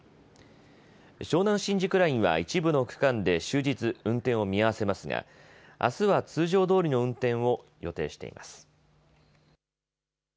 湘南新宿ラインは一部の区間で終日、運転を見合わせますがあすは通常どおりの運転を予定しています。